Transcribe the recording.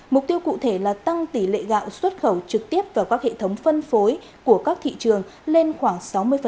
mục tiêu cụ thể là tăng tỷ lệ gạo xuất khẩu trực tiếp vào các hệ thống phân phối của các thị trường lên khoảng sáu mươi